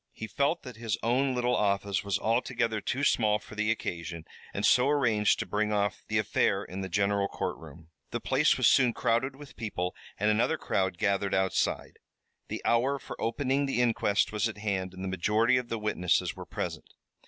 He felt that his own little office was altogether too small for the occasion and so arranged to bring off the affair in the general courtroom. The place was soon crowded with people, and another crowd gathered outside. The hour for opening the inquest was at hand and the majority of the witnesses were present.